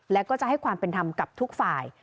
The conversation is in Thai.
แล้วก็จะให้ความเป็นธรรมกับทุกฝ่าย